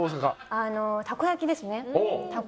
あのたこ焼きですね。